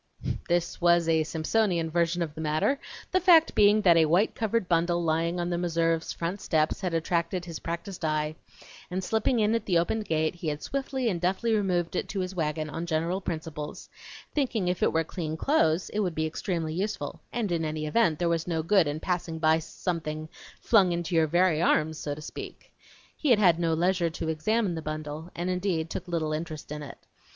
This was a Simpsonian version of the matter, the fact being that a white covered bundle lying on the Meserves' front steps had attracted his practiced eye, and slipping in at the open gate he had swiftly and deftly removed it to his wagon on general principles; thinking if it were clean clothes it would be extremely useful, and in any event there was no good in passing by something flung into your very arms, so to speak. He had had no leisure to examine the bundle, and indeed took little interest in it.